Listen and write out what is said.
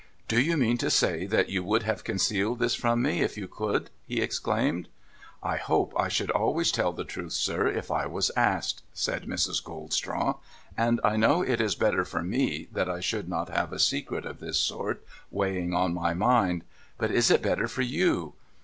' Do you mean to say that you would have concealed this from me if you could ?' he exclaimed. ' I hope I should always tell the truth, sir, if I was asked,' said Mrs. Goldstraw. ' And I know it is better for me that I should not have a secret of this sort weighing on my mind. But is it better for you